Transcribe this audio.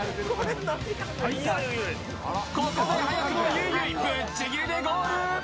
ここで早くもゆいゆいぶっちぎりでゴール。